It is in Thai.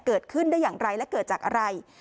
เกิดขึ้นได้อย่างไรและเกิดจากอะไร